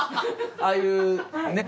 ああいうねっ！